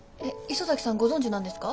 磯崎さんご存じなんですか？